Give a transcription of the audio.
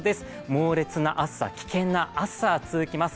猛烈な暑さ、危険な暑さ続きます。